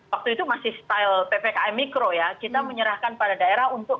waktu itu masih style ppkm mikro ya kita menyerahkan pada daerah untuk